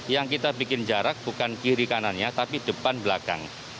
yang kita bikin jarak bukan kiri kanannya tapi depan belakang